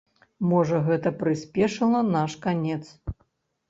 Можа, гэта прыспешыла наш канец.